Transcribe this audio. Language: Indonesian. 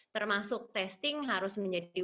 termasuk testing harus menjadi